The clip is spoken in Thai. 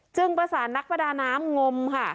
ประสานนักประดาน้ำงมค่ะ